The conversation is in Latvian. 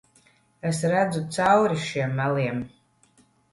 Es redzu cauri šiem meliem.